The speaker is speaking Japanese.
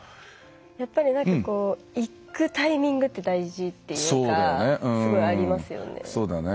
やっぱり何かこう行くタイミングって大事っていうかすごいありますよね。